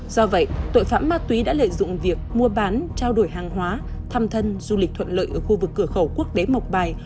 do vậy tội phạm ma túy đã lợi dụng việc mua bán trao đổi hàng hóa thăm thân du lịch thuận lợi ở khu vực cửa khẩu quốc tế mộc bài